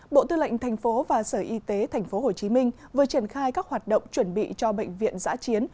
bộ tư lệnh thành phố và sở y tế tp hcm vừa triển khai các hoạt động chuẩn bị cho bệnh viện giã chiến